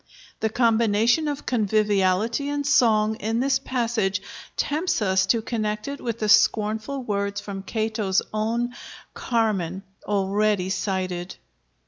The combination of conviviality and song in this passage tempts us to connect it with the scornful words from Cato's own 'Carmen,' already cited!